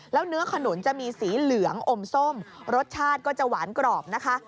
แล้วเนื้อขนุนจะมีสีเหลืองอมส้มรสชาติก็จะหวานกรอบนะคะ